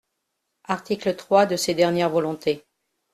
Article trois de ses dernières volontés.